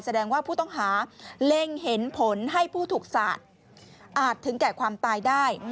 แสดงว่าผู้ต้องหาเล็งเห็นผลให้ผู้ถูกสาดอาจถึงแก่ความตายได้